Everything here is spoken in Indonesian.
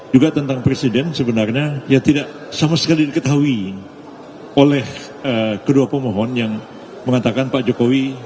juga tentang presiden sebenarnya ya tidak sama sekali diketahui oleh kedua pemohon yang mengatakan pak jokowi